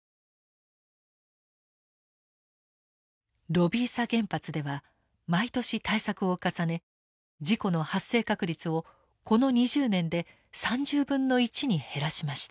ロヴィーサ原発では毎年対策を重ね事故の発生確率をこの２０年で３０分の１に減らしました。